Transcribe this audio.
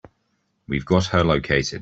We've got her located.